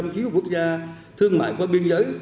một trăm chín mươi quốc gia thương mại qua biên giới